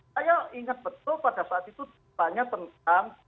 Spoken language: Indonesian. saya ingat betul pada saat itu ditanya tentang